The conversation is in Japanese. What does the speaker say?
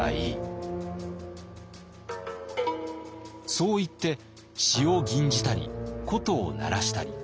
そう言って詩を吟じたり琴を鳴らしたり。